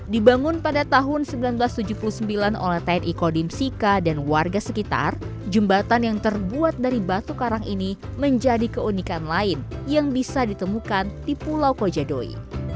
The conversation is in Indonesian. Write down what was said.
dibangun pada tahun seribu sembilan ratus tujuh puluh sembilan oleh tni kodim sika dan warga sekitar jembatan yang terbuat dari batu karang ini menjadi keunikan lain yang bisa ditemukan di pulau kojadoi